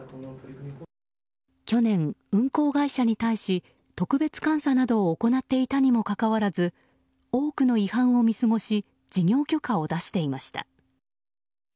去年、運航会社に対し特別監査などを行っていたにもかかわらず多くの違反を見過ごし事業許可を出していました。